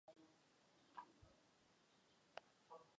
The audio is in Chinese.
市内大多数地区都是乡村风光。